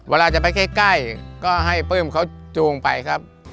เวลาจะไปใกล้ก็ให้ปลื้มเขาจูงไปครับ